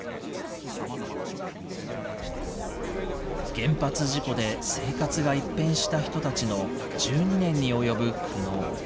原発事故で生活が一変した人たちの１２年に及ぶ苦悩。